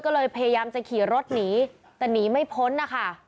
ก็เลยพยายามจะขี่รถหนีแต่หนีไม่พ้นนะคะ